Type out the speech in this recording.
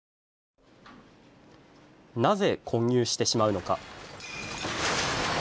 なぜ混入してしまうのか。